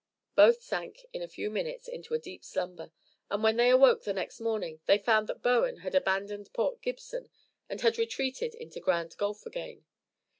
Both sank in a few minutes into a deep slumber, and when they awoke the next morning they found that Bowen had abandoned Port Gibson and had retreated into Grand Gulf again.